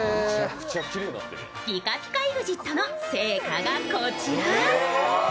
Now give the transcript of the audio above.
ピカピカＥＸＩＴの成果がこちら。